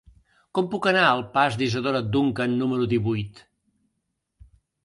Com puc anar al pas d'Isadora Duncan número divuit?